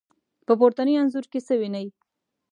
په پورتني انځور کې څه وينئ؟